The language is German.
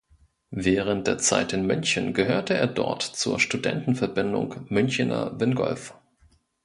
Während der Zeit in München gehörte er dort zur Studentenverbindung Münchener Wingolf.